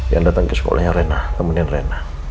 yang datang ke sekolahnya rina temenin rina